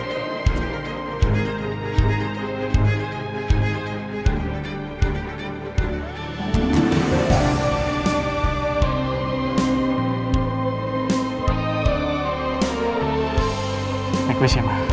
jadi buat aku pak